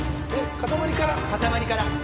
塊から。